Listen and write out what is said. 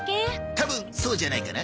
たぶんそうじゃないかな。